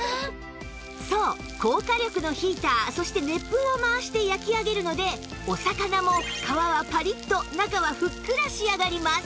そう高火力のヒーターそして熱風を回して焼き上げるのでお魚も皮はパリッと中はふっくら仕上がります